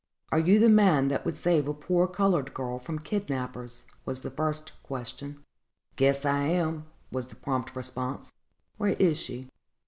"Are you the man that would save a poor colored girl from kidnappers?" was the first question. "Guess I am," was the prompt response; "where is she?"